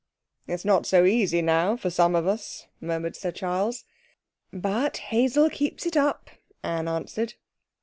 'It's not so easy now, for some of us,' murmured Sir Charles. 'But Hazel keeps it up,' Anne answered.